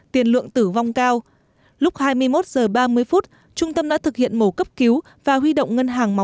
tiền lượng tử vong cao lúc hai mươi một h ba mươi phút trung tâm đã thực hiện mổ cấp cứu và huy động ngân hàng máu